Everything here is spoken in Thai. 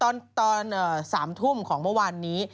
ตอน๓ทุ่มของเมื่อวานนี้